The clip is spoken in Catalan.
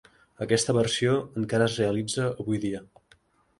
Aquesta versió encara es realitza avui dia.